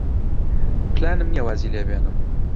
پلانم نییە وازی لێ بێنم.